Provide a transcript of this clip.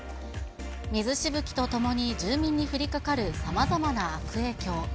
水しぶきとともに住民に降りかかるさまざまな悪影響。